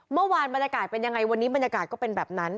เมื่อวานบรรยากาศเป็นยังไงวันนี้บรรยากาศก็เป็นแบบนั้น